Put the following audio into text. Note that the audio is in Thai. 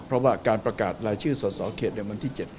เพราะว่าการประกาศรายชื่อสสเขตในวันที่๗